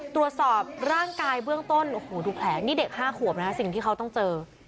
ตรวจสอบร่างกายเบื้องต้นโอ้โหดูแผลนี่เด็ก๕ขวบนะฮะสิ่งที่เขาต้องเจอ